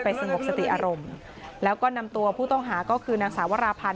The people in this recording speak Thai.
สงบสติอารมณ์แล้วก็นำตัวผู้ต้องหาก็คือนางสาวราพันธ